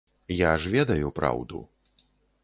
Я ж ведаю праўду.